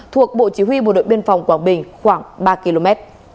thuộc bộ chỉ huy bộ đội biên phòng quảng bình khoảng ba km